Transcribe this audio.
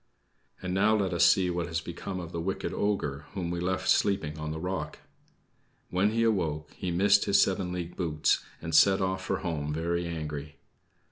And now let us see what has become of the wicked ogre, whom we left sleeping on the rock. When he awoke he missed his seven league boots, and set off for home very angry.